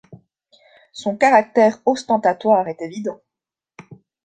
Son caractère ostentatoire est évident.